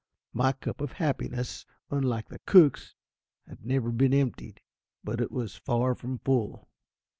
My cup of happiness, unlike the cook's, had never been emptied, but it was far from full.